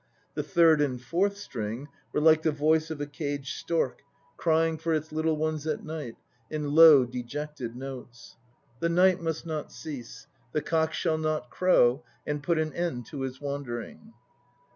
The third and fourth string Were like the voice of a caged stork Crying for its little ones at night In low, dejected notes." 2 The night must not cease. The cock shall not crow And put an end to his wandering.